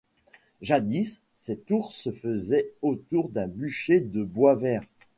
Jadis, ces tours se faisaient autour d’un bûcher de bois vert.